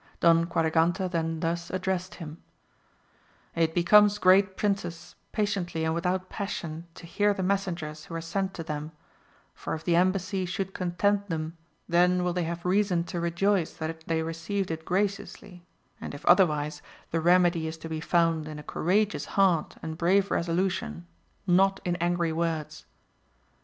Don Quadragante then thus addrest him, It becomes great princes patiently and without passion to hear the Messengers who are sent to them, for if the em bassy should content them then will they have reason to rejoice that they received it graciously, and if otherwise the remedy is to be found in a courageous heart and brave resolution, not in angry words.